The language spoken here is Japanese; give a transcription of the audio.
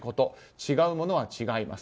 違うものは違います。